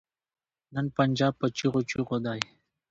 نن پنجاب په چيغو چيغو دی.